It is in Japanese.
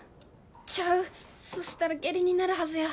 ちゃうそしたら下痢になるはずや。